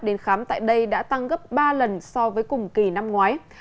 đến khám tại đây đã tăng gấp ba lần so với cùng kỳ năm ngoái